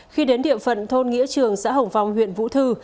khi đến địa phận thôn nghĩa trường xã hồng phong huyện vũ thư